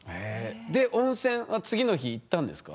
で温泉は次の日行ったんですか？